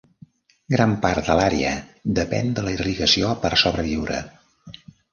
Gran part de l'àrea depèn de la irrigació per sobreviure.